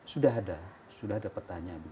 sudah ada sudah ada pertanyaan